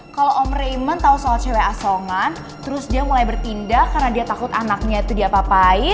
kalo om raymond tau soal cewek asongan terus dia mulai bertindak karena dia takut anaknya itu diapa apa